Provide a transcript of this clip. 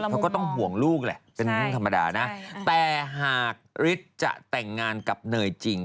เขาก็ต้องห่วงลูกแหละเป็นเรื่องธรรมดานะแต่หากฤทธิ์จะแต่งงานกับเนยจริง